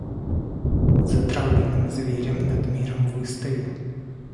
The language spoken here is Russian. Затравленным зверем над миром выстою.